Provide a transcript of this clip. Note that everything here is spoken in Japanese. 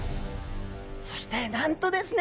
そしてなんとですね